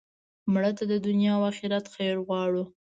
مړه ته د دنیا او آخرت خیر غواړو